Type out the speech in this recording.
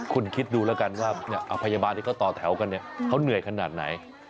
คุณคิดดูแล้วกันว่าพยาบาลที่เขาต่อแถวกันเนี่ยเขาเหนื่อยขนาดไหน